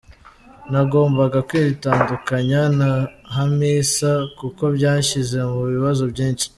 Nagombaga kwitandukanya na Hamisa kuko byanshyize mu bibazo byinshi.